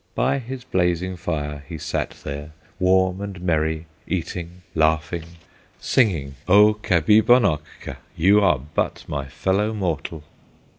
By his blazing fire he sat there, Warm and merry, eating, laughing, Singing, "O Kabibonokka, You are but my fellow mortal!"